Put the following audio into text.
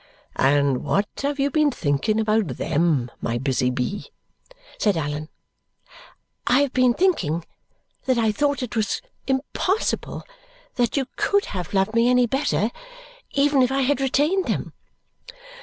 "And what have you been thinking about THEM, my busy bee?" said Allan. "I have been thinking that I thought it was impossible that you COULD have loved me any better, even if I had retained them."